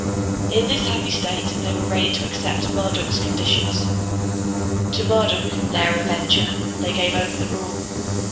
[In this happy state they were ready to accept Marduk's conditions.] To Marduk, their avenger, they gave over the rule.